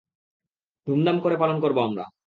ধুমধাম করে পালন করবো আমরা!